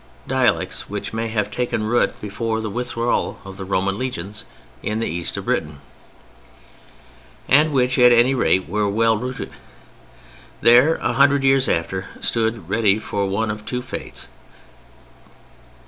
] dialects which may have taken root before the withdrawal of the Roman legions in the East of Britain, and which at any rate were well rooted there a hundred years after—stood ready for one of two fates.